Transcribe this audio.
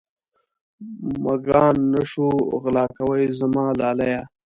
مږان نه شو غلا کوې زما لالیه.